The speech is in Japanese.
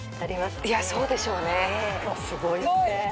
すごいですよね？